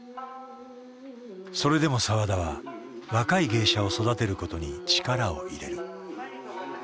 それでも澤田は若い芸者を育てることに力を入れる。